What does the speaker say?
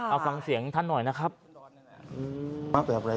เอาฟังเสียงท่านหน่อยนะครับ